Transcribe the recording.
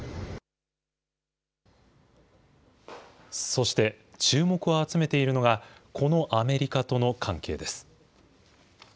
そして、注目を集めているのがこのアメリカとの関係です。